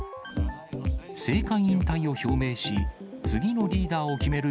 政界引退を表明し、次のリーダーを決める